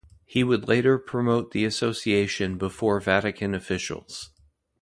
He would later promote the association before Vatican officials.